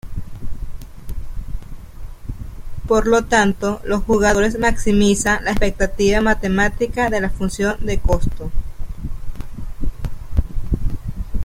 Por lo tanto, los jugadores maximizan la expectativa matemática de la función de costo.